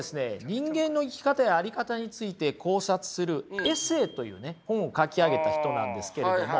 人間の生き方や在り方について考察する「エセー」というね本を書き上げた人なんですけれども。